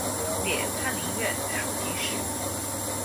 点翰林院庶吉士。